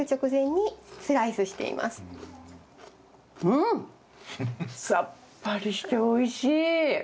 うん！さっぱりしておいしい。